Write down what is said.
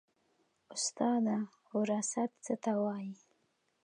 استاده وراثت څه ته وایي